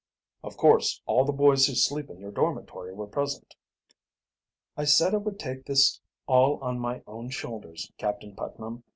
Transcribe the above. "Of course all the boys who sleep in your dormitory were present?" "I said I would take this all on my own shoulders, Captain Putnam.